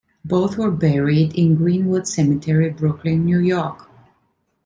Both were buried in Green-Wood Cemetery, Brooklyn, New York.